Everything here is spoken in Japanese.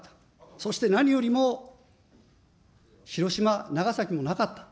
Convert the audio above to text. そして何よりも、広島、長崎もなかった。